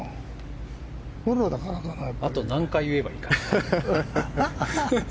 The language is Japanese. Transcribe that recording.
あと何回言えばいいか。